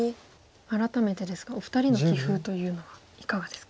改めてですがお二人の棋風というのはいかがですか？